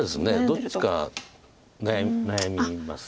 どっちか悩みます。